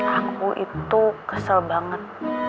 aku itu kesel banget